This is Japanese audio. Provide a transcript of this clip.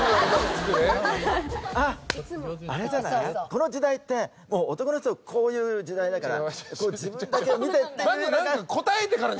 この時代ってもう男の人こういう時代だからこう「自分だけを見て」っていうような。